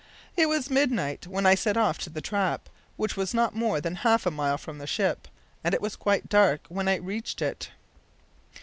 It was midnight when I set off to the trap, which was not more than half a mile from the ship, and it was quite dark when I reached it.